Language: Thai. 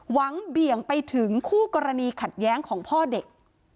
เบี่ยงไปถึงคู่กรณีขัดแย้งของพ่อเด็ก